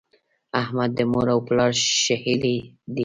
احمد د مور او پلار ښهلی دی.